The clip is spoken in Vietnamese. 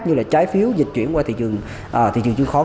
như là trái phiếu dịch chuyển qua thị trường chứng khoán